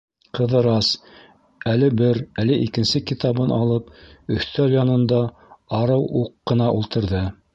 Ҡыҙырас, әле бер, әле икенсе китабын алып, өҫтәл янында арыу уҡ ҡына ултырҙы.